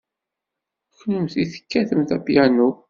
Kennemti tekkatemt apyanu.